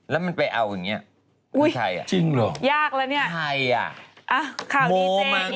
แล้วมันไปเอาอย่างเนี้ยไม่ใครอ่ะจริงเหรอยากแล้วเนี้ยใครอ่ะ